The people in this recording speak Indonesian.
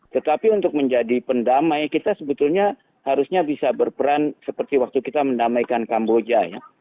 tetapi untuk menjadi pendamai kita sebetulnya harusnya bisa berperan seperti waktu kita mendamaikan kamboja ya